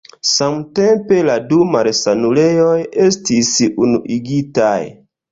Samtempe la du malsanulejoj estis unuigitaj.